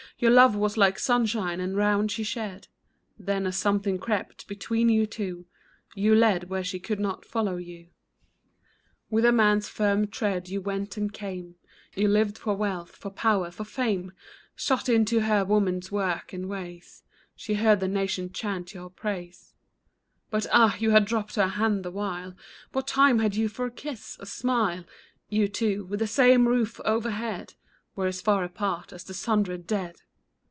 Your love was like sunshine round her shed ; Then a something crept between you two, You led where she could not follow you. 21 8 A FLOWER FOR THE DEAD With a man's firm tread you went and came ; You lived for wealth, for power, for fame ; Shut in to her woman's work and ways, She heard the nation chant your praise. But ah ! you had dropped her hand the while ; What time had you for a kiss, a smile ? You two, with the same roof overhead, Were as far apart as the sundered dead